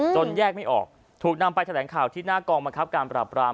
จนแยกไม่ออกถูกนำไปแถลงข่าวที่หน้ากองมาครับ